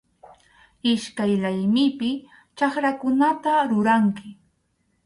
Iskay laymipi chakrakunata ruranki.